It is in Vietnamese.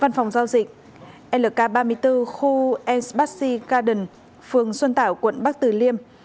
văn phòng giao dịch lk ba mươi bốn khu s bassi garden phường xuân tảo quận bắc tử liêm